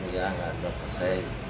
iya nggak selesai